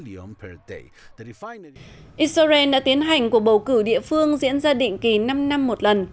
israel đã tiến hành cuộc bầu cử địa phương diễn ra định kỳ năm năm một lần